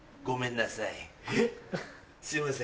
ごめんなさい。